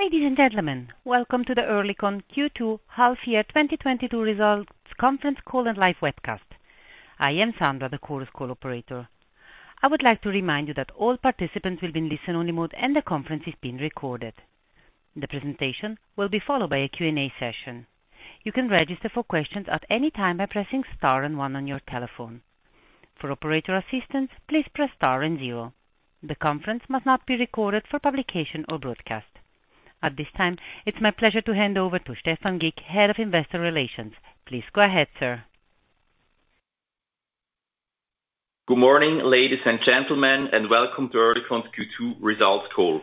Ladies and gentlemen, welcome to the Oerlikon Q2 Half Year 2022 Results Conference Call and Live Webcast. I am Sandra, the Chorus Call operator. I would like to remind you that all participants will be in listen-only mode and the conference is being recorded. The presentation will be followed by a Q&A session. You can register for questions at any time by pressing star and one on your telephone. For operator assistance, please press star and zero. The conference must not be recorded for publication or broadcast. At this time, it's my pleasure to hand over to Stephan Gick, Head of Investor Relations. Please go ahead, sir. Good morning, ladies and gentlemen, and welcome to Oerlikon's Q2 Results Call.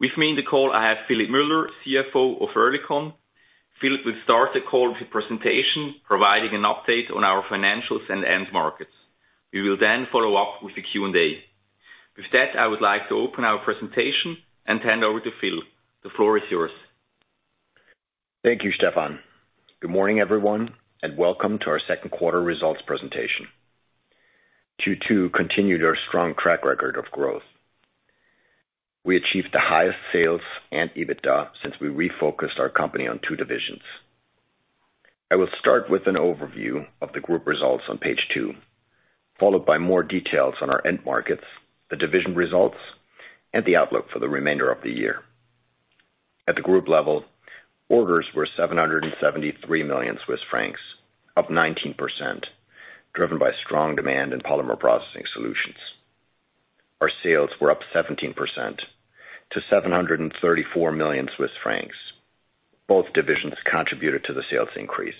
With me in the call, I have Philipp Müller, CFO of Oerlikon. Philipp will start the call with a presentation providing an update on our financials and end markets. We will then follow up with the Q&A. With that, I would like to open our presentation and hand over to Philipp. The floor is yours. Thank you, Stephan. Good morning, everyone, and welcome to our second quarter results presentation. Q2 continued our strong track record of growth. We achieved the highest sales and EBITDA since we refocused our company on two divisions. I will start with an overview of the group results on Page 2, followed by more details on our end markets, the division results, and the outlook for the remainder of the year. At the group level, orders were 773 million Swiss francs, up 19%, driven by strong demand in Polymer Processing Solutions. Our sales were up 17% to 734 million Swiss francs. Both divisions contributed to the sales increase.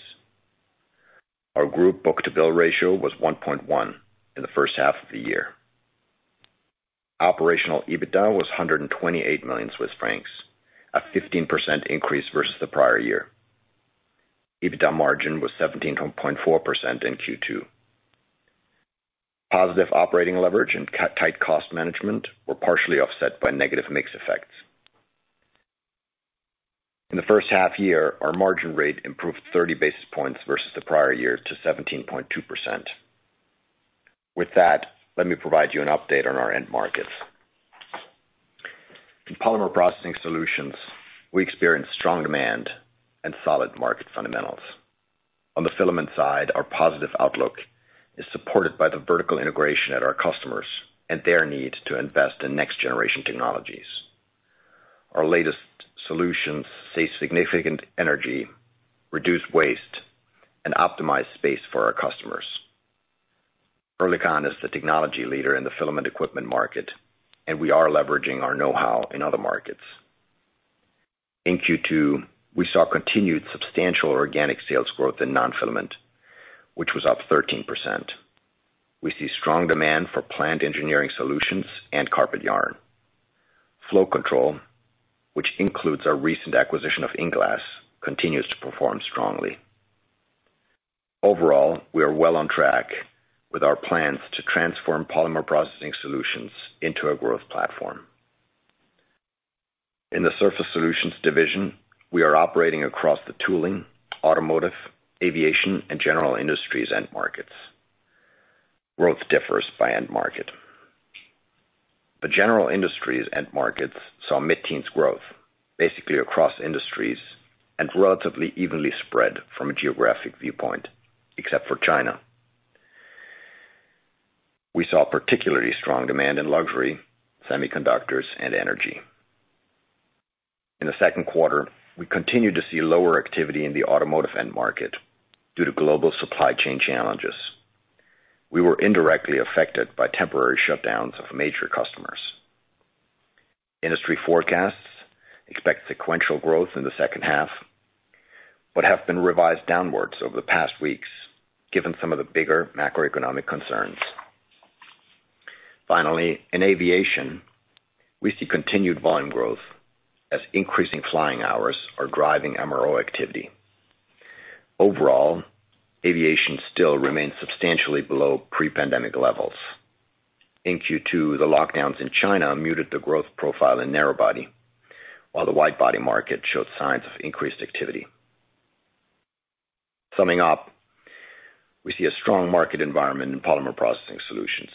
Our group book-to-bill ratio was 1.1 in the first half of the year. Operational EBITDA was 128 million Swiss francs, a 15% increase versus the prior-year. EBITDA margin was 17.4% in Q2. Positive operating leverage and tight cost management were partially offset by negative mix effects. In the first half year, our margin rate improved 30 basis points versus the prior-year to 17.2%. With that, let me provide you an update on our end markets. In Polymer Processing Solutions, we experienced strong demand and solid market fundamentals. On the filament side, our positive outlook is supported by the vertical integration at our customers and their need to invest in next-generation technologies. Our latest solutions save significant energy, reduce waste, and optimize space for our customers. Oerlikon is the technology leader in the filament equipment market, and we are leveraging our know-how in other markets. In Q2, we saw continued substantial organic sales growth in non-filament, which was up 13%. We see strong demand for plant engineering solutions and carpet yarn. Flow control, which includes our recent acquisition of INglass, continues to perform strongly. Overall, we are well on track with our plans to transform Polymer Processing Solutions into a growth platform. In the Surface Solutions division, we are operating across the tooling, automotive, aviation, and general industries end markets. Growth differs by end market. The general industries end markets saw mid-teens growth, basically across industries and relatively evenly spread from a geographic viewpoint, except for China. We saw particularly strong demand in luxury, semiconductors, and energy. In the second quarter, we continued to see lower activity in the automotive end market due to global supply chain challenges. We were indirectly affected by temporary shutdowns of major customers. Industry forecasts expect sequential growth in the second half, but have been revised downward over the past weeks given some of the bigger macroeconomic concerns. Finally, in aviation, we see continued volume growth as increasing flying hours are driving MRO activity. Overall, aviation still remains substantially below pre-pandemic levels. In Q2, the lockdowns in China muted the growth profile in narrow-body, while the wide-body market showed signs of increased activity. Summing up, we see a strong market environment in polymer processing solutions.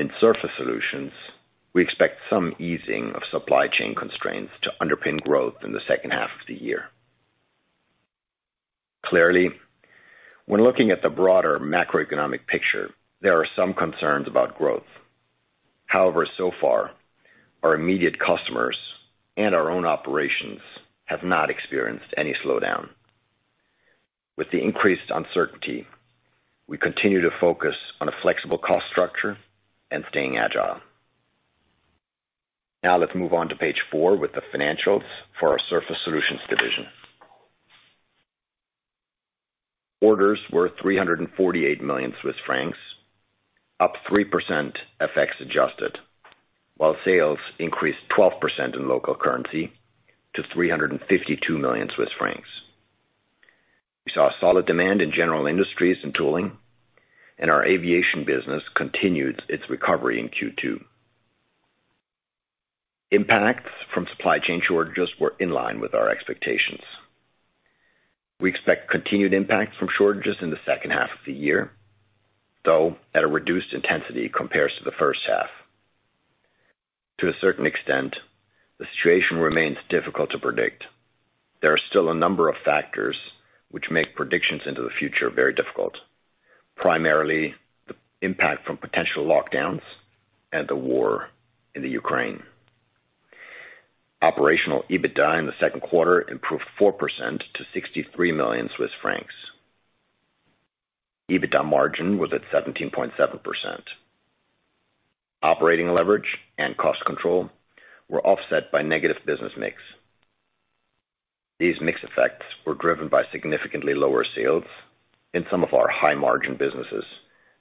In surface solutions, we expect some easing of supply chain constraints to underpin growth in the second half of the year. Clearly, when looking at the broader macroeconomic picture, there are some concerns about growth. However, so far, our immediate customers and our own operations have not experienced any slowdown. With the increased uncertainty, we continue to focus on a flexible cost structure and staying agile. Now let's move on to Page 4 with the financials for our Surface Solutions division. Orders were 348 million Swiss francs, up 3% FX adjusted, while sales increased 12% in local currency to 352 million Swiss francs. We saw solid demand in general industries and tooling, and our aviation business continued its recovery in Q2. Impacts from supply chain shortages were in line with our expectations. We expect continued impact from shortages in the second half of the year, though at a reduced intensity compared to the first half. To a certain extent, the situation remains difficult to predict. There are still a number of factors which make predictions into the future very difficult, primarily the impact from potential lockdowns and the war in the Ukraine. Operational EBITDA in the second quarter improved 4% to 63 million Swiss francs. EBITDA margin was at 17.7%. Operating leverage and cost control were offset by negative business mix. These mix effects were driven by significantly lower sales in some of our high-margin businesses,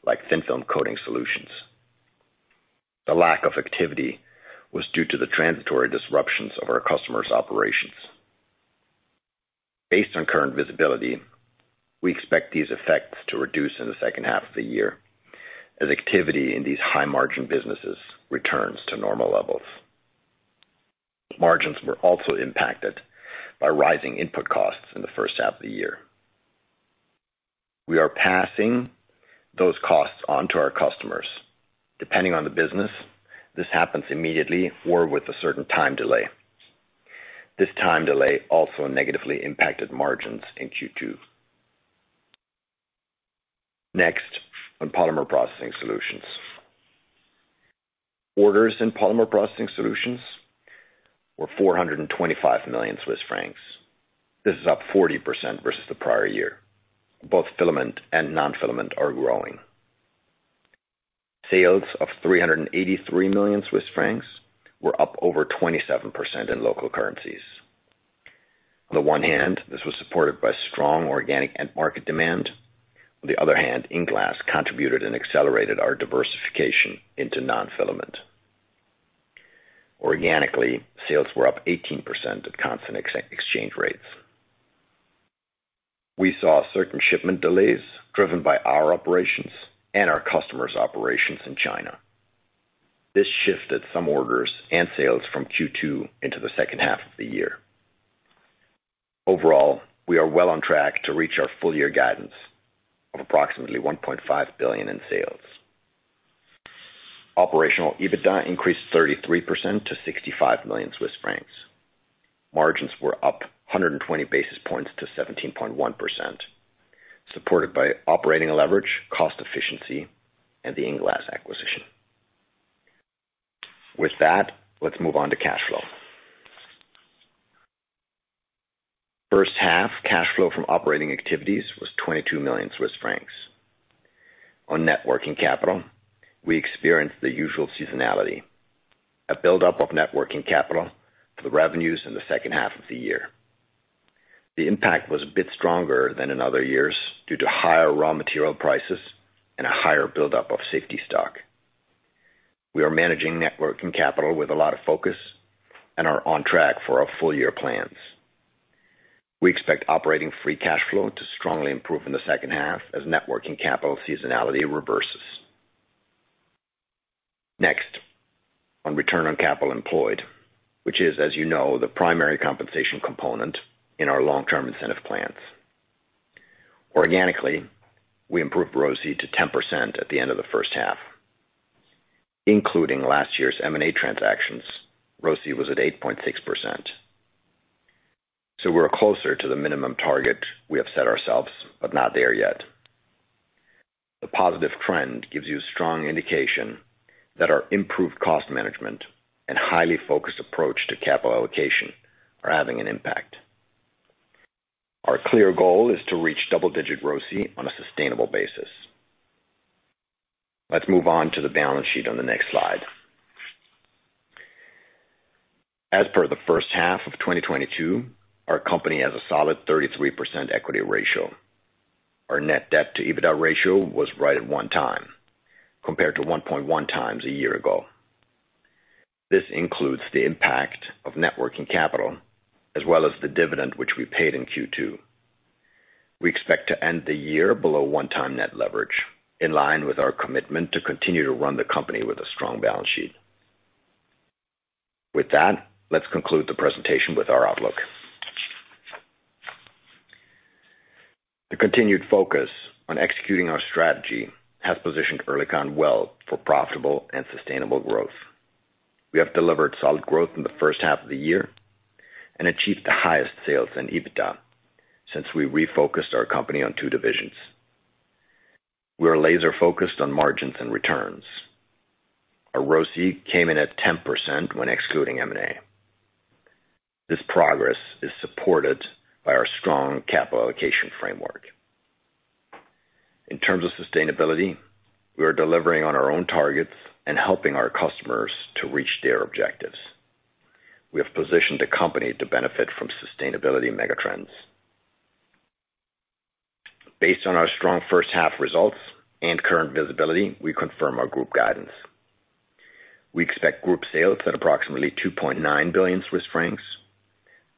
like thin-film coating solutions. The lack of activity was due to the transitory disruptions of our customers' operations. Based on current visibility, we expect these effects to reduce in the second half of the year as activity in these high-margin businesses returns to normal levels. Margins were also impacted by rising input costs in the first half of the year. We are passing those costs on to our customers. Depending on the business, this happens immediately or with a certain time delay. This time delay also negatively impacted margins in Q2. Next, on polymer processing solutions. Orders in polymer processing solutions were 425 million Swiss francs. This is up 40% versus the prior year. Both filament and non-filament are growing. Sales of 383 million Swiss francs were up over 27% in local currencies. On the one hand, this was supported by strong organic end market demand. On the other hand, INglass contributed and accelerated our diversification into non-filament. Organically, sales were up 18% at constant ex-exchange rates. We saw certain shipment delays driven by our operations and our customers' operations in China. This shifted some orders and sales from Q2 into the second half of the year. Overall, we are well on track to reach our full-year guidance of approximately 1.5 billion in sales. Operational EBITDA increased 33% to 65 million Swiss francs. Margins were up 120 basis points to 17.1%, supported by operating leverage, cost efficiency, and the INglass acquisition. With that, let's move on to cash flow. First half cash flow from operating activities was 22 million Swiss francs. On net working capital, we experienced the usual seasonality, a buildup of net working capital for the revenues in the second half of the year. The impact was a bit stronger than in other years due to higher raw material prices and a higher buildup of safety stock. We are managing net working capital with a lot of focus and are on track for our full-year plans. We expect operating free cash flow to strongly improve in the second half as net working capital seasonality reverses. Next, on return on capital employed, which is, as you know, the primary compensation component in our long-term incentive plans. Organically, we improved ROCE to 10% at the end of the first half. Including last year's M&A transactions, ROCE was at 8.6%. We're closer to the minimum target we have set ourselves, but not there yet. The positive trend gives you strong indication that our improved cost management and highly focused approach to capital allocation are having an impact. Our clear goal is to reach double-digit ROCE on a sustainable basis. Let's move on to the balance sheet on the next slide. As per the first half of 2022, our company has a solid 33% equity ratio. Our net debt-to-EBITDA ratio was right at 1x, compared to 1.1x a year ago. This includes the impact of net working capital, as well as the dividend which we paid in Q2. We expect to end the year below 1x net leverage, in line with our commitment to continue to run the company with a strong balance sheet. With that, let's conclude the presentation with our outlook. The continued focus on executing our strategy has positioned Oerlikon well for profitable and sustainable growth. We have delivered solid growth in the first half of the year and achieved the highest sales in EBITDA since we refocused our company on two divisions. We are laser-focused on margins and returns. Our ROCE came in at 10% when excluding M&A. This progress is supported by our strong capital allocation framework. In terms of sustainability, we are delivering on our own targets and helping our customers to reach their objectives. We have positioned the company to benefit from sustainability mega-trends. Based on our strong first half results and current visibility, we confirm our group guidance. We expect group sales at approximately 2.9 billion Swiss francs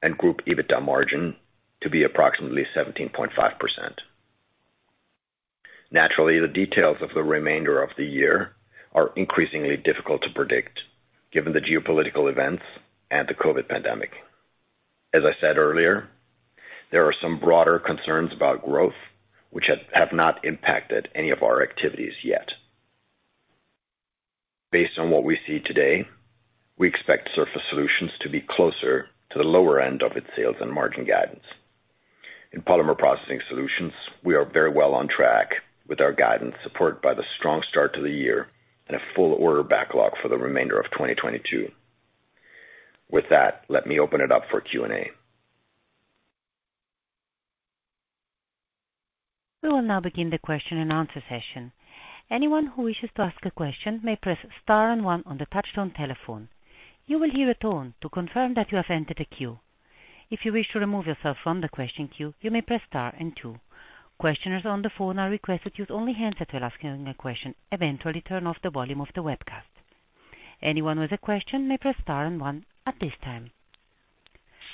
and group EBITDA margin to be approximately 17.5%. Naturally, the details of the remainder of the year are increasingly difficult to predict given the geopolitical events and the COVID pandemic. As I said earlier, there are some broader concerns about growth which have not impacted any of our activities yet. Based on what we see today, we expect Surface Solutions to be closer to the lower end of its sales and margin guidance. In Polymer Processing Solutions, we are very well on track with our guidance, supported by the strong start to the year and a full order backlog for the remainder of 2022. With that, let me open it up for Q&A. We will now begin the question-and-answer session. Anyone who wishes to ask a question may press star and one on the touchtone telephone. You will hear a tone to confirm that you have entered a queue. If you wish to remove yourself from the question queue, you may press star and two. Questioners on the phone are requested to use only handsets when asking a question, and turn off the volume of the webcast. Anyone with a question may press star and one at this time.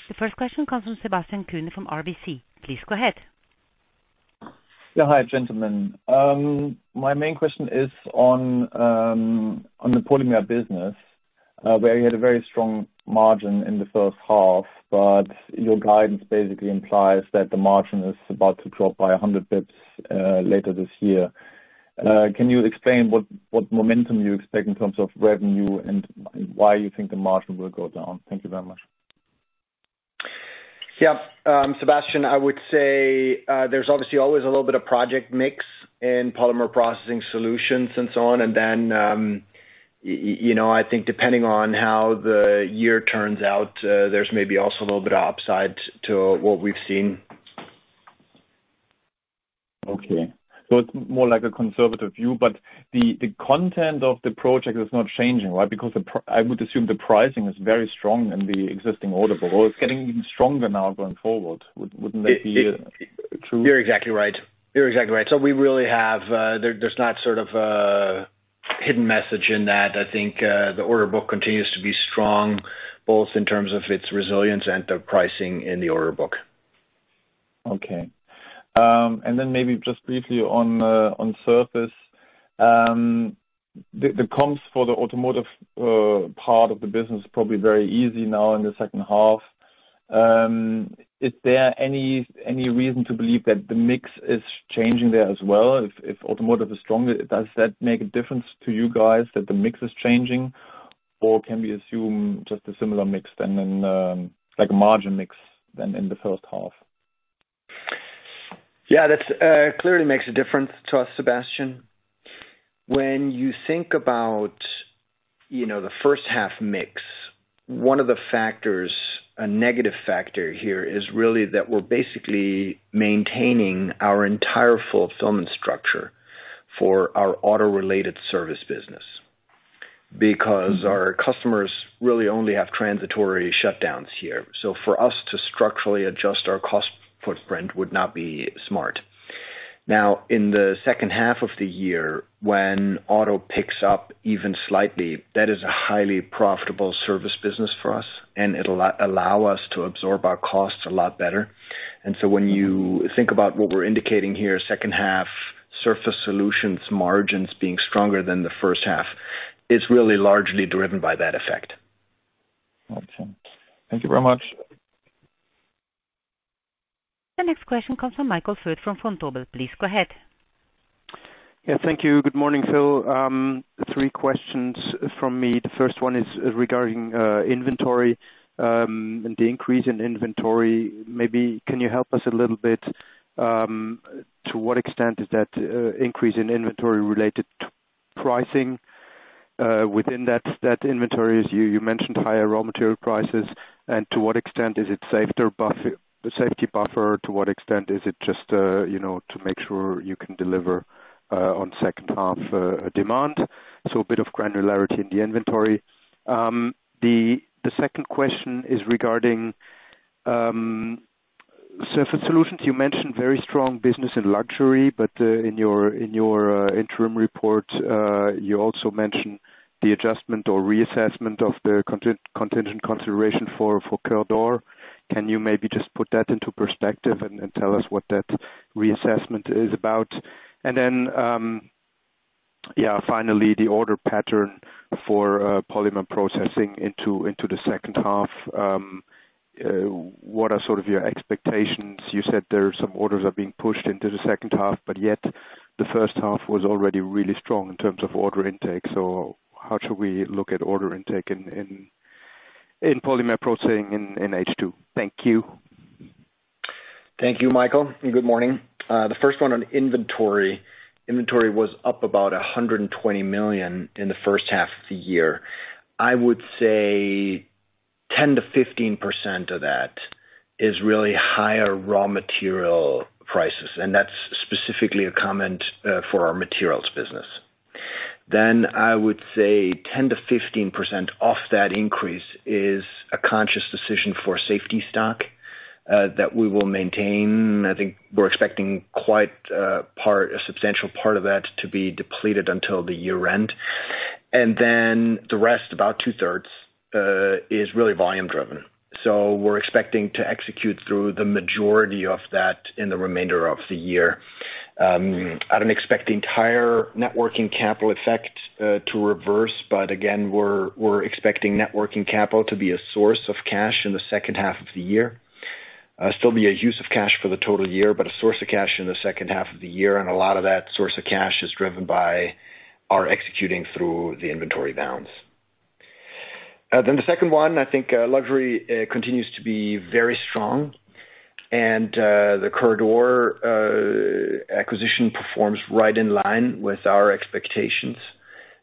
The first question comes from Sebastian Kuenne from RBC. Please go ahead. Yeah. Hi, gentlemen. My main question is on the polymer business, where you had a very strong margin in the first half, but your guidance basically implies that the margin is about to drop by 100 basis points later this year. Can you explain what momentum you expect in terms of revenue and why you think the margin will go down? Thank you very much. Yeah. Sebastian, I would say, there's obviously always a little bit of project mix in Polymer Processing Solutions and so on. You know, I think depending on how the year turns out, there's maybe also a little bit of upside to what we've seen. Okay. It's more like a conservative view, but the content of the project is not changing, right? Because I would assume the pricing is very strong in the existing order book, or it's getting even stronger now going forward. Wouldn't that be true? You're exactly right. There's not sort of a hidden message in that. I think, the order book continues to be strong, both in terms of its resilience and the pricing in the order book. Okay. Maybe just briefly on surface, the comps for the automotive part of the business is probably very easy now in the second half. Is there any reason to believe that the mix is changing there as well? If automotive is stronger, does that make a difference to you guys that the mix is changing? Can we assume just a similar mix to like a margin mix to in the first half? Yeah, that clearly makes a difference to us, Sebastian. When you think about, you know, the first half mix, one of the factors, a negative factor here is really that we're basically maintaining our entire fulfillment structure for our auto-related service business. Because our customers really only have transitory shutdowns here. So for us to structurally adjust our cost footprint would not be smart. Now, in the second half of the year, when auto picks up even slightly, that is a highly profitable service business for us, and it'll allow us to absorb our costs a lot better. When you think about what we're indicating here, second half Surface Solutions margins being stronger than the first half is really largely driven by that effect. Got you. Thank you very much. The next question comes from Michael Foeth from Vontobel. Please go ahead. Yeah, thank you. Good morning, Phil. Three questions from me. The first one is regarding inventory and the increase in inventory. Maybe can you help us a little bit to what extent is that increase in inventory related to pricing within that inventory? As you mentioned higher raw material prices. To what extent is it safety buffer? To what extent is it just, you know, to make sure you can deliver on second half demand? So a bit of granularity in the inventory. The second question is regarding Surface Solutions. You mentioned very strong business in luxury, but in your interim report you also mentioned the adjustment or reassessment of the contingent consideration for Coeurdor. Can you maybe just put that into perspective and tell us what that reassessment is about? Then, finally, the order pattern for polymer processing into the second half. What are sort of your expectations? You said there are some orders being pushed into the second half, but yet the first half was already really strong in terms of order intake. How should we look at order intake in polymer processing in H2? Thank you. Thank you, Michael, and good morning. The first one on inventory. Inventory was up about 120 million in the first half of the year. I would say 10% to 15% of that is really higher raw material prices, and that's specifically a comment for our materials business. I would say 10% to 15% of that increase is a conscious decision for safety stock that we will maintain. I think we're expecting quite a part, a substantial part of that to be depleted until the year-end. The rest, about two-thirds, is really volume-driven. We're expecting to execute through the majority of that in the remainder of the year. I don't expect the entire net working capital effect to reverse, but again, we're expecting net working capital to be a source of cash in the second half of the year. Still be a use of cash for the total year, but a source of cash in the second half of the year, and a lot of that source of cash is driven by our executing through the inventory downs. The second one, I think, luxury continues to be very strong, and the Coeurdor acquisition performs right in line with our expectations.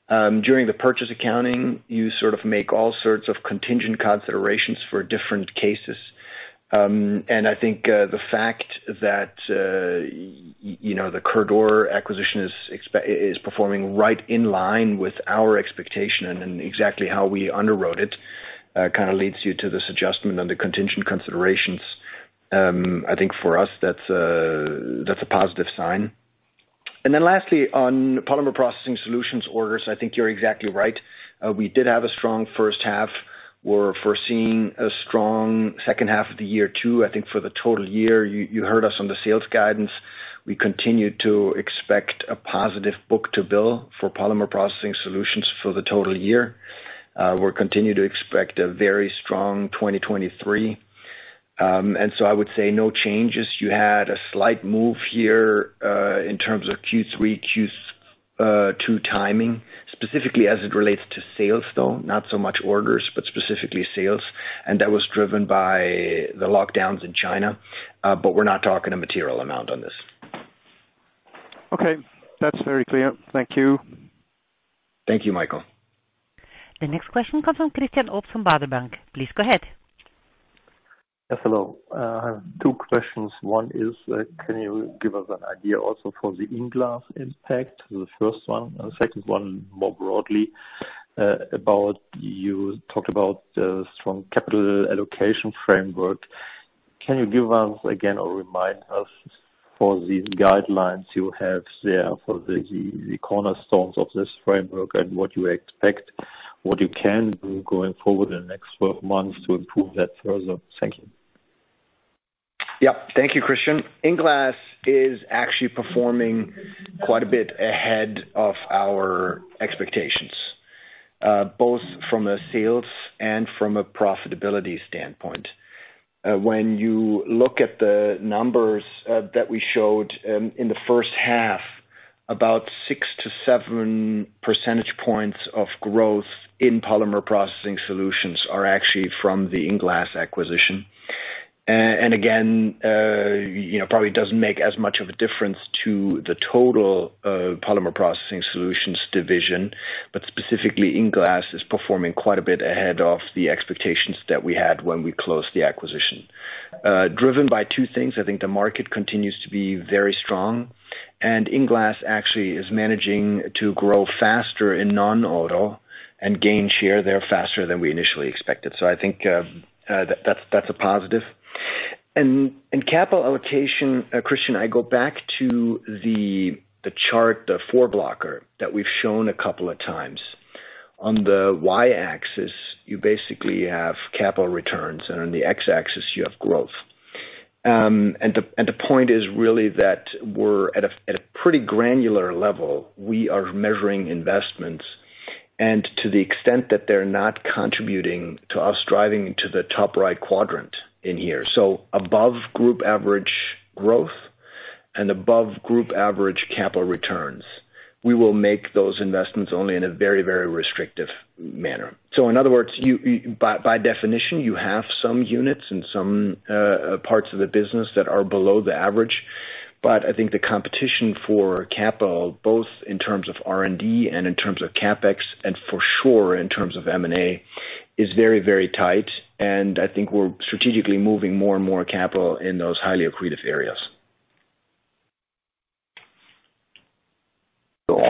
During the purchase accounting, you sort of make all sorts of contingent considerations for different cases. I think the fact that you know, the Coeurdor acquisition is performing right in line with our expectation and exactly how we underwrote it, kinda leads you to this adjustment on the contingent considerations. I think for us, that's a positive sign. Lastly, on Polymer Processing Solutions orders, I think you're exactly right. We did have a strong first half. We're foreseeing a strong second half of the year, too. I think for the total year, you heard us on the sales guidance. We continue to expect a positive book-to-bill for Polymer Processing Solutions for the total year. We'll continue to expect a very strong 2023. I would say no changes. You had a slight move here in terms of Q3, Q2 timing, specifically as it relates to sales, though, not so much orders, but specifically sales. That was driven by the lockdowns in China, but we're not talking a material amount on this. Okay. That's very clear. Thank you. Thank you, Michael. The next question comes from Christian Obst from Baader Bank. Please go ahead. Yes. Hello. Two questions. One is, can you give us an idea also for the INglass impact? The first one, and the second one more broadly, about you talked about the strong capital allocation framework. Can you give us again or remind us for these guidelines you have there for the cornerstones of this framework and what you expect, what you can do going forward in the next 12 months to improve that further? Thank you. Yeah. Thank you, Christian. INglass is actually performing quite a bit ahead of our expectations, both from a sales and from a profitability standpoint. When you look at the numbers that we showed in the first half, about six to seven percentage points of growth in Polymer Processing Solutions are actually from the INglass acquisition. Again, you know, probably doesn't make as much of a difference to the total Polymer Processing Solutions division, but specifically INglass is performing quite a bit ahead of the expectations that we had when we closed the acquisition. Driven by two things. I think the market continues to be very strong, and INglass actually is managing to grow faster in non-auto and gain share there faster than we initially expected. I think that's a positive. Capital allocation, Christian, I go back to the chart, the four blocker that we've shown a couple of times. On the y-axis, you basically have capital returns, and on the x-axis, you have growth. The point is really that we're at a pretty granular level. We are measuring investments and to the extent that they're not contributing to us driving to the top right quadrant in here. Above group average growth and above group average capital returns. We will make those investments only in a very, very restrictive manner. In other words, by definition, you have some units and some parts of the business that are below the average. I think the competition for capital, both in terms of R&D and in terms of CapEx, and for sure in terms of M&A, is very, very tight. I think we're strategically moving more and more capital in those highly accretive areas.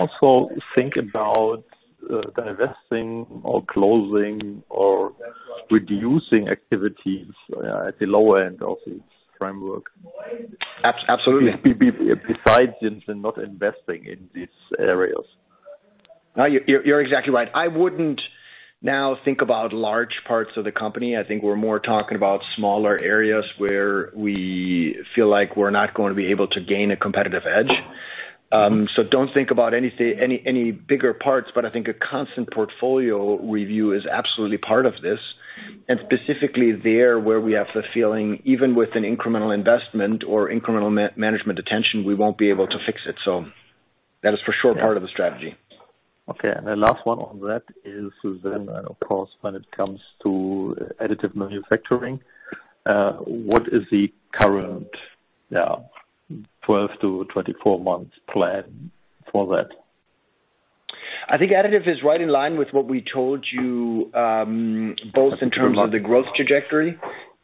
also think about divesting or closing or reducing activities at the lower end of the framework. Absolutely. Besides and not investing in these areas. No, you're exactly right. I wouldn't now think about large parts of the company. I think we're more talking about smaller areas where we feel like we're not gonna be able to gain a competitive edge. Don't think about any bigger parts, but I think a constant portfolio review is absolutely part of this. Specifically there where we have the feeling, even with an incremental investment or incremental management attention, we won't be able to fix it. That is for sure part of the strategy. Okay. The last one on that is, Susanna, of course, when it comes to additive manufacturing, what is the current 12-24 months plan for that? I think additive is right in line with what we told you, both in terms of the growth trajectory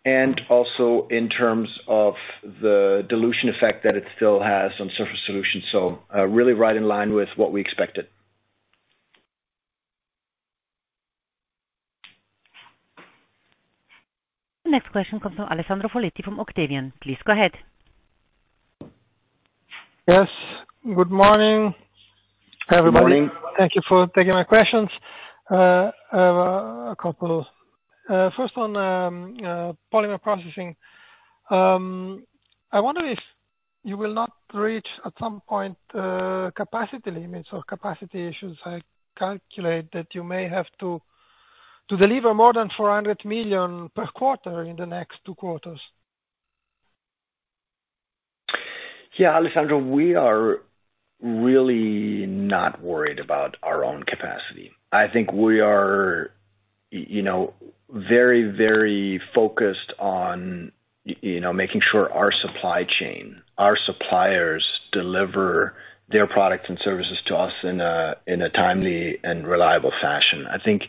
and also in terms of the dilution effect that it still has on Surface Solutions. Really right in line with what we expected. The next question comes from Alessandro Foletti from Octavian. Please go ahead. Yes, good morning, everybody. Good morning. Thank you for taking my questions. I have a couple. First one, polymer processing. I wonder if you will not reach at some point, capacity limits or capacity issues. I calculate that you may have to deliver more than 400 million per quarter in the next two quarters. Yeah, Alessandro, we are really not worried about our own capacity. I think we are, you know, very, very focused on, you know, making sure our supply chain, our suppliers deliver their products and services to us in a, in a timely and reliable fashion. I think,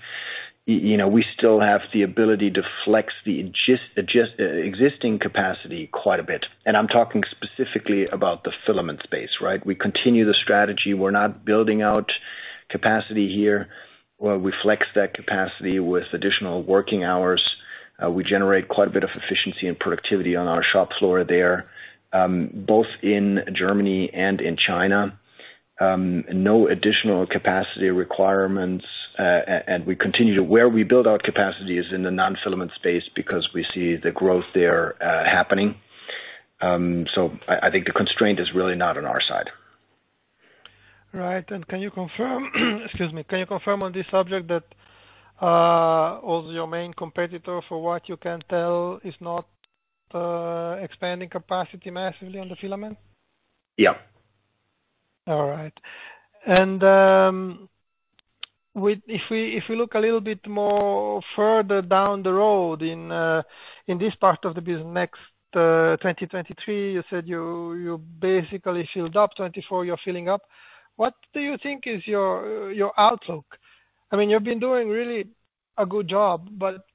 you know, we still have the ability to flex the existing capacity quite a bit. I'm talking specifically about the filament space, right? We continue the strategy. We're not building out capacity here. We flex that capacity with additional working hours. We generate quite a bit of efficiency and productivity on our shop floor there, both in Germany and in China. No additional capacity requirements. Where we build our capacity is in the non-filament space because we see the growth there, happening. I think the constraint is really not on our side. Right. Excuse me. Can you confirm on this subject that all your main competitor, for what you can tell, is not expanding capacity massively on the filament? Yeah. All right. If we look a little bit more further down the road in this part of the business next 2023, you said you basically filled up, 2024, you're filling up. What do you think is your outlook? I mean, you've been doing really a good job, but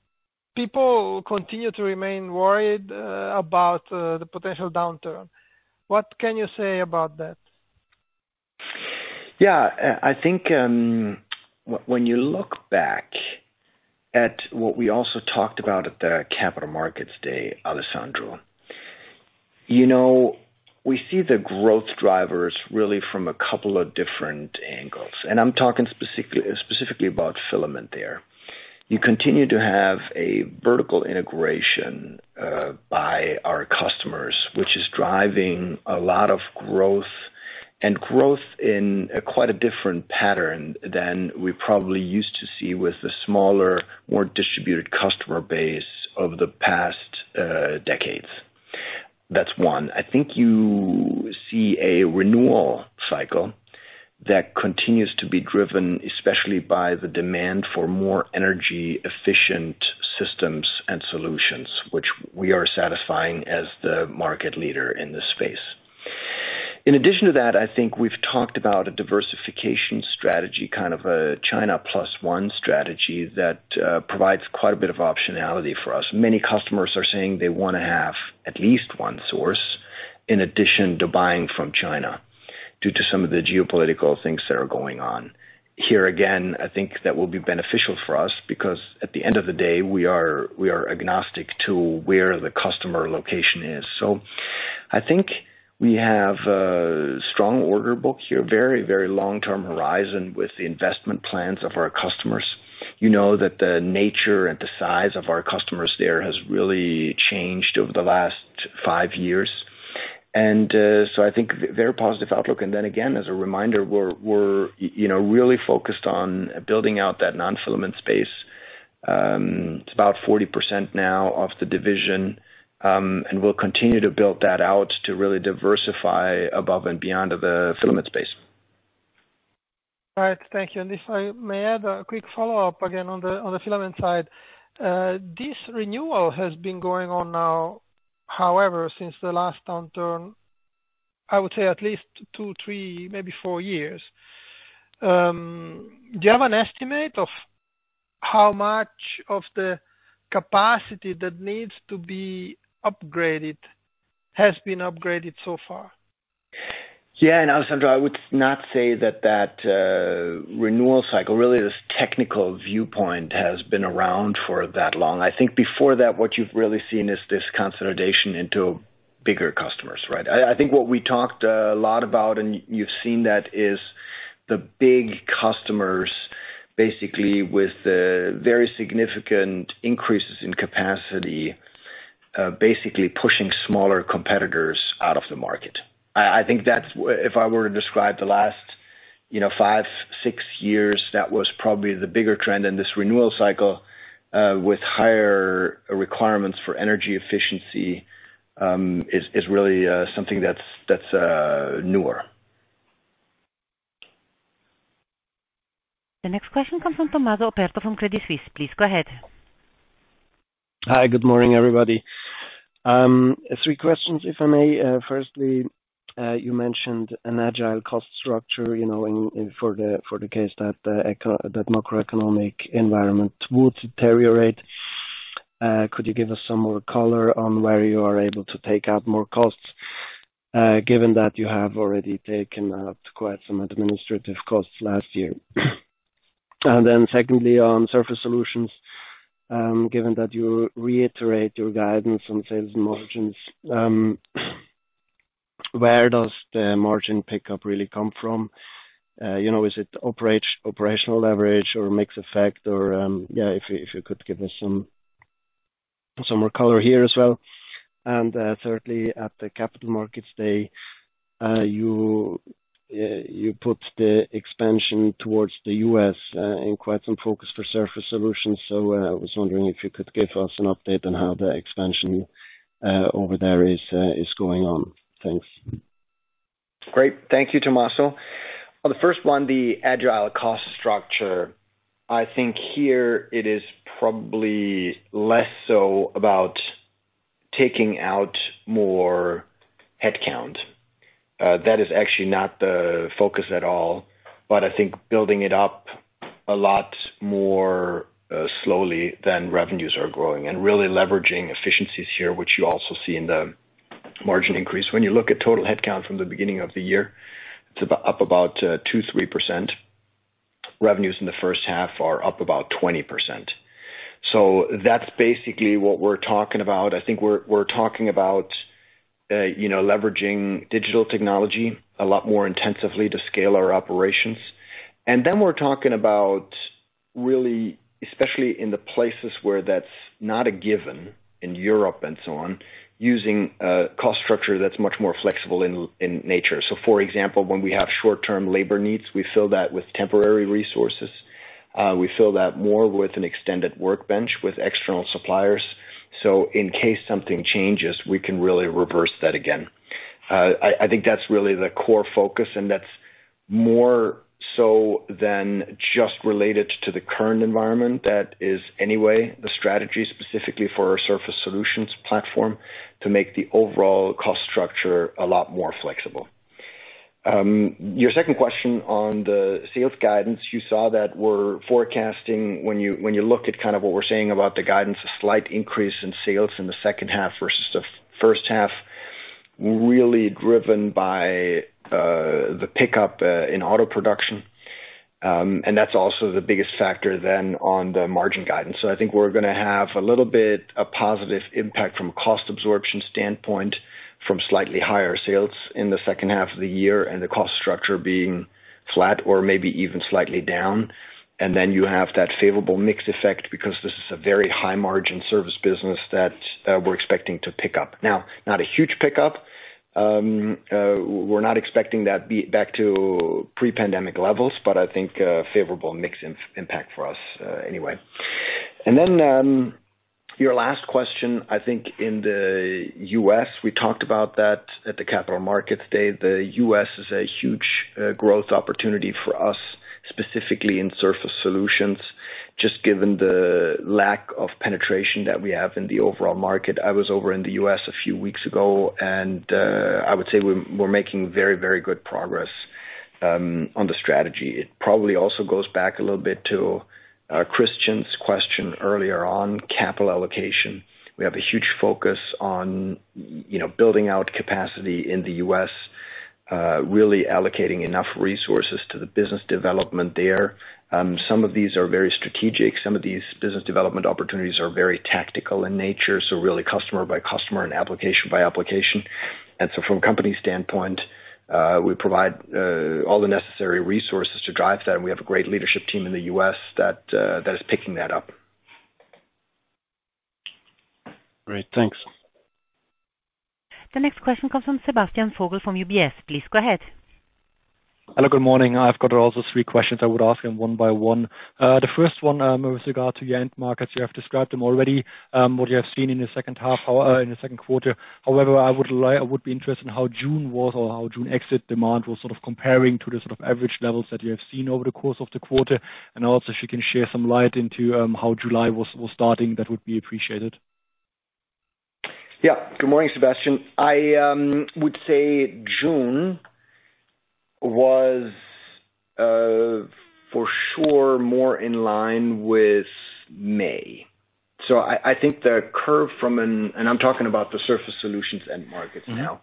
people continue to remain worried about the potential downturn. What can you say about that? Yeah. I think, when you look back at what we also talked about at the Capital Markets Day, Alessandro, you know, we see the growth drivers really from a couple of different angles, and I'm talking specifically about filament there. You continue to have a vertical integration by our customers, which is driving a lot of growth, and growth in a quite different pattern than we probably used to see with the smaller, more distributed customer base over the past decades. That's one. I think you see a renewal cycle that continues to be driven, especially by the demand for more energy efficient systems and solutions, which we are satisfying as the market leader in this space. In addition to that, I think we've talked about a diversification strategy, kind of a China plus one strategy that provides quite a bit of optionality for us. Many customers are saying they wanna have at least one source in addition to buying from China due to some of the geopolitical things that are going on. Here again, I think that will be beneficial for us because at the end of the day, we are agnostic to where the customer location is. I think we have a strong order book here, very long-term horizon with the investment plans of our customers, you know that the nature and the size of our customers there has really changed over the last five years. I think very positive outlook. As a reminder, we're you know, really focused on building out that non-filament space. It's about 40% now of the division, and we'll continue to build that out to really diversify above and beyond the filament space. All right. Thank you. If I may add a quick follow-up again on the filament side. This renewal has been going on now, however, since the last downturn, I would say at least two, three, maybe four years. Do you have an estimate of how much of the capacity that needs to be upgraded has been upgraded so far? Yeah. Alessandro, I would not say that renewal cycle, really this technical viewpoint has been around for that long. I think before that, what you've really seen is this consolidation into bigger customers, right? I think what we talked a lot about, and you've seen that, is the big customers basically with the very significant increases in capacity, basically pushing smaller competitors out of the market. I think that's. If I were to describe the last, you know, five, six years, that was probably the bigger trend. This renewal cycle with higher requirements for energy efficiency is really something that's newer. The next question comes from Tommaso Operto from Credit Suisse. Please go ahead. Hi. Good morning, everybody. Three questions if I may. Firstly, you mentioned an agile cost structure, you know, for the case that the macroeconomic environment would deteriorate. Could you give us some more color on where you are able to take out more costs, given that you have already taken out quite some administrative costs last year? Secondly, on Surface Solutions, given that you reiterate your guidance on sales margins, where does the margin pickup really come from? You know, is it operational leverage or mix effect or, yeah, if you could give us some more color here as well. Thirdly, at the Capital Markets Day, you put the expansion towards the U.S. in quite some focus for Surface Solutions. I was wondering if you could give us an update on how the expansion over there is going on. Thanks. Great. Thank you, Tommaso. On the first one, the agile cost structure. I think here it is probably less so about taking out more headcount. That is actually not the focus at all, but I think building it up a lot more slowly than revenues are growing and really leveraging efficiencies here, which you also see in the margin increase. When you look at total headcount from the beginning of the year, it's about up about 2% to 3%. Revenues in the first half are up about 20%. That's basically what we're talking about. I think we're talking about you know, leveraging digital technology a lot more intensively to scale our operations. Then we're talking about really, especially in the places where that's not a given in Europe and so on, using a cost structure that's much more flexible in nature. For example, when we have short-term labor needs, we fill that with temporary resources. We fill that more with an extended workbench with external suppliers, so in case something changes, we can really reverse that again. I think that's really the core focus, and that's more so than just related to the current environment. That is anyway the strategy specifically for our Surface Solutions platform to make the overall cost structure a lot more flexible. Your second question on the sales guidance, you saw that we're forecasting, when you look at kind of what we're saying about the guidance, a slight increase in sales in the second half versus the first half, really driven by the pickup in auto production. That's also the biggest factor then on the margin guidance. I think we're gonna have a little bit of positive impact from a cost absorption standpoint, from slightly higher sales in the second half of the year and the cost structure being flat or maybe even slightly down. You have that favorable mix effect because this is a very high margin service business that we're expecting to pick up. Now, not a huge pickup. We're not expecting that be back to pre-pandemic levels, but I think a favorable mix impact for us, anyway. Your last question, I think in the U.S., we talked about that at the Capital Markets Day. The U.S. is a huge growth opportunity for us, specifically in Surface Solutions, just given the lack of penetration that we have in the overall market. I was over in the U.S. a few weeks ago, and I would say we're making very, very good progress on the strategy. It probably also goes back a little bit to Christian's question earlier on capital allocation. We have a huge focus on, you know, building out capacity in the U.S., really allocating enough resources to the business development there. Some of these are very strategic. Some of these business development opportunities are very tactical in nature, so really customer by customer and application by application. From a company standpoint, we provide all the necessary resources to drive that, and we have a great leadership team in the U.S. that is picking that up. Great. Thanks. The next question comes from Sebastian Vogel from UBS. Please go ahead. Hello, good morning. I've got also three questions I would ask, and one by one. The first one, with regard to your end markets. You have described them already, what you have seen in the second half, in the second quarter. However, I would be interested in how June was or how June exit demand was sort of comparing to the sort of average levels that you have seen over the course of the quarter, and also if you can shed some light on how July was starting, that would be appreciated. Yeah. Good morning, Sebastian. I would say June was for sure more in line with May. I think the curve. I'm talking about the Surface Solutions end markets now.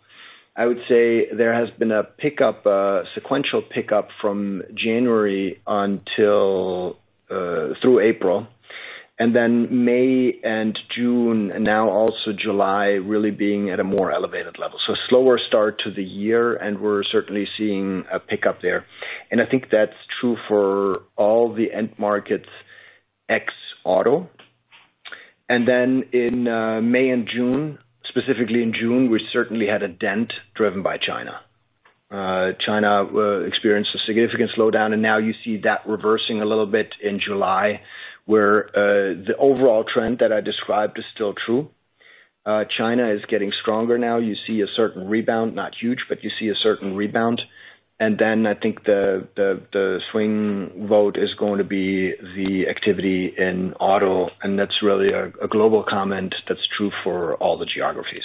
I would say there has been a pickup, sequential pickup from January through April. Then May and June, and now also July, really being at a more elevated level. Slower start to the year, and we're certainly seeing a pickup there. I think that's true for all the end markets, ex-auto. Then in May and June, specifically in June, we certainly had a dent driven by China. China experienced a significant slowdown, and now you see that reversing a little bit in July, where the overall trend that I described is still true. China is getting stronger now. You see a certain rebound, not huge, but you see a certain rebound. I think the swing vote is going to be the activity in auto, and that's really a global comment that's true for all the geographies.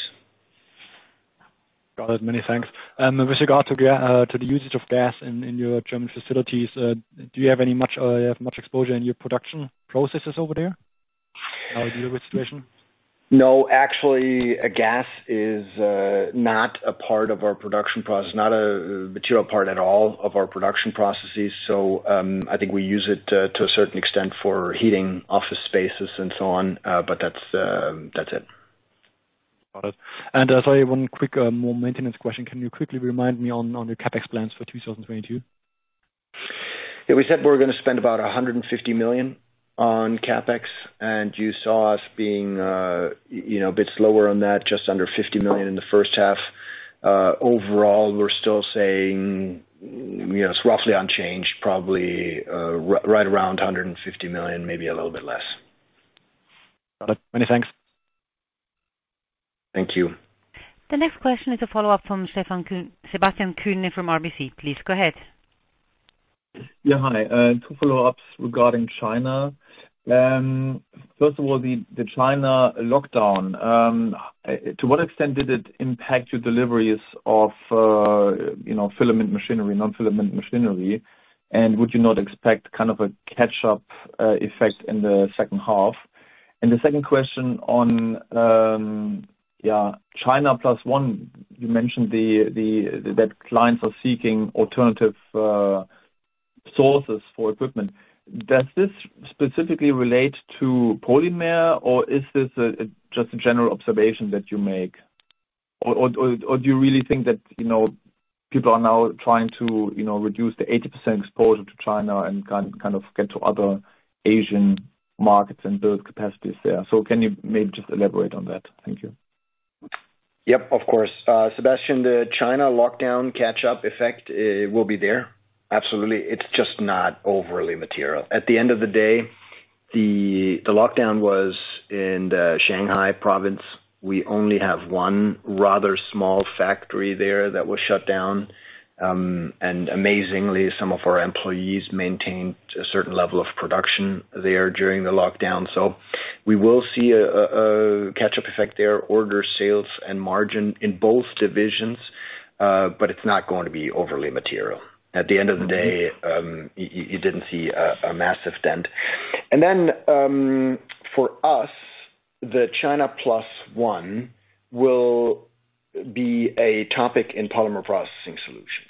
Got it. Many thanks. With regard to the usage of gas in your German facilities, do you have much exposure in your production processes over there? How do you deal with the situation? No, actually, gas is not a part of our production process, not a material part at all of our production processes. I think we use it to a certain extent for heating office spaces and so on. That's it. Got it. Sorry, one quick, more maintenance question. Can you quickly remind me on your CapEx plans for 2022? Yeah, we said we're gonna spend about 150 million on CapEx, and you saw us being, you know, a bit slower on that, just under 50 million in the first half. Overall, we're still saying, you know, it's roughly unchanged, probably right around 150 million, maybe a little bit less. Got it. Many thanks. Thank you. The next question is a follow-up from Sebastian Kuenne from RBC, please go ahead. Yeah, hi, two follow-ups regarding China. First of all, the China lockdown, to what extent did it impact your deliveries of, you know, filament machinery, non-filament machinery? Would you not expect kind of a catch-up effect in the second half? The second question on China plus one, you mentioned that clients are seeking alternative sources for equipment. Does this specifically relate to polymer, or is this just a general observation that you make? Do you really think that, you know, people are now trying to, you know, reduce the 80% exposure to China and kind of get to other Asian markets and build capacities there. Can you maybe just elaborate on that? Thank you. Yep, of course. Sebastian, the China lockdown catch-up effect, it will be there. Absolutely. It's just not overly material. At the end of the day, the lockdown was in the Shanghai province. We only have one rather small factory there that was shut down, and amazingly, some of our employees maintained a certain level of production there during the lockdown. So we will see a catch-up effect there, order sales and margin in both divisions, but it's not going to be overly material. At the end of the day, you didn't see a massive dent. For us, the China plus one will be a topic in Polymer Processing Solutions.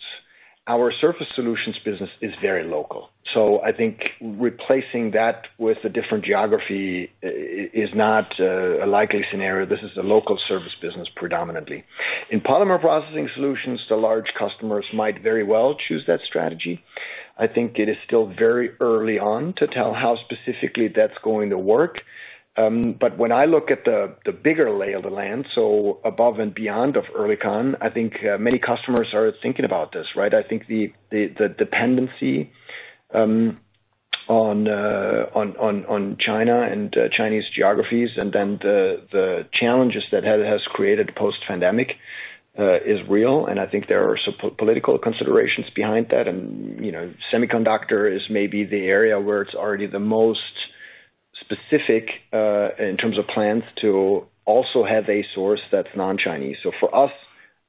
Our Surface Solutions business is very local, so I think replacing that with a different geography is not a likely scenario. This is a local service business predominantly. In Polymer Processing Solutions, the large customers might very well choose that strategy. I think it is still very early on to tell how specifically that's going to work. When I look at the bigger lay of the land, so above and beyond of Oerlikon, I think many customers are thinking about this, right? I think the dependency on China and Chinese geographies and then the challenges that has created post-pandemic is real. I think there are some political considerations behind that. You know, semiconductor is maybe the area where it's already the most specific in terms of plans to also have a source that's non-Chinese. For us,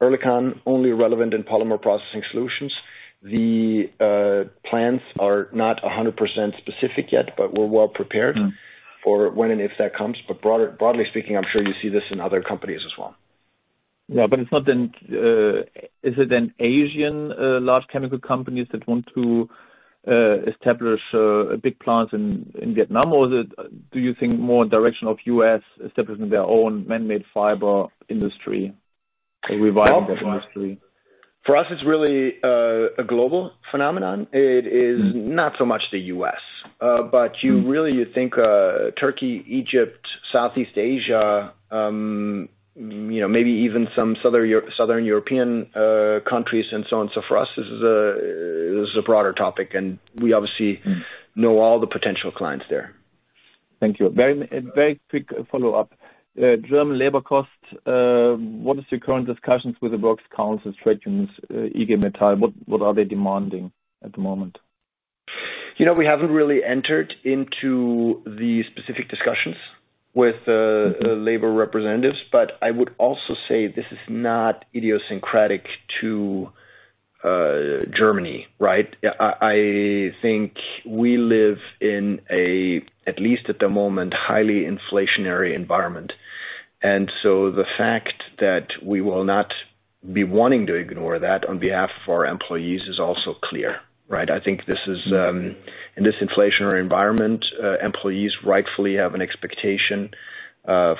Oerlikon only relevant in Polymer Processing Solutions. The plans are not 100% specific yet, but we're well prepared for when and if that comes. Broadly speaking, I'm sure you see this in other companies as well. Yeah, is it an Asian large chemical company that wants to establish a big plant in Vietnam? Is it, do you think, more in the direction of the U.S. establishing their own man-made fiber industry to revive that industry? For us, it's really a global phenomenon. Not so much the US. But you really think Turkey, Egypt, Southeast Asia, maybe even some Southern European countries and so on. For us, this is a broader topic, and we obviously know all the potential clients there. Thank you. Very, very quick follow-up. German labor cost, what is your current discussions with the works council trade unions, IG Metall? What are they demanding at the moment? You know, we haven't really entered into the specific discussions with, Labor representatives, but I would also say this is not idiosyncratic to Germany, right? I think we live in a, at least at the moment, highly inflationary environment. The fact that we will not be wanting to ignore that on behalf of our employees is also clear, right? I think this is in this inflationary environment, employees rightfully have an expectation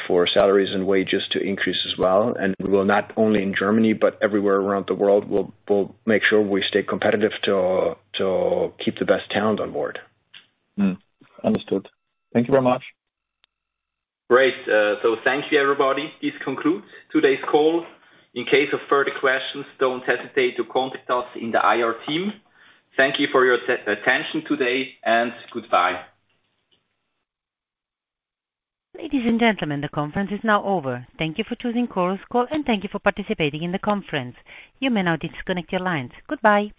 for salaries and wages to increase as well. We will not only in Germany, but everywhere around the world, we'll make sure we stay competitive to keep the best talent on board. Understood. Thank you very much. Great. So thank you, everybody. This concludes today's call. In case of further questions, don't hesitate to contact us in the IR team. Thank you for your attention today and goodbye. Ladies and gentlemen, the conference is now over. Thank you for choosing Chorus Call, and thank you for participating in the conference. You may now disconnect your lines. Goodbye.